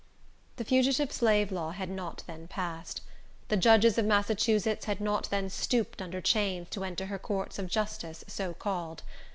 The Fugitive Slave Law had not then passed. The judges of Massachusetts had not then stooped under chains to enter her courts of justice, so called.